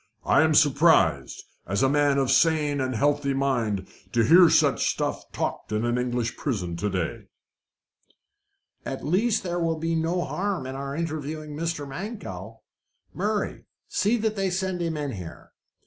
"I am surprised, as a man of sane and healthy mind, to hear such stuff talked in an English prison of to day." "At least there will be no harm in our interviewing Mr. Mankell. Murray, see that they send him here."